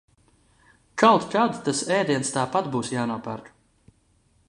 Kaut kad tas ēdiens tāpat būs jānopērk.